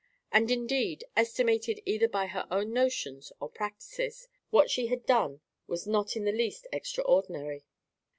And, indeed, estimated either by her own notions or practices, what she had done was not in the least extraordinary.